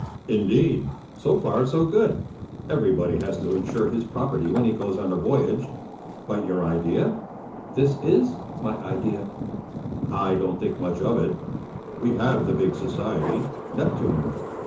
"Indeed! So far so good; everybody has to insure his property when he goes on a voyage. But your idea?" "This is my idea." "I don't think much of it. We have the big society 'Neptune.'